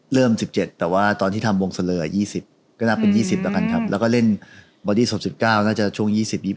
เริ่ม๑๗แต่ว่าตอนที่ทำวงเสลอ๒๐ก็น่าเป็น๒๐แล้วก็เล่นบอดี้๑๙น่าจะช่วง๒๐๒๑